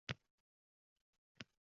Ko’rib turar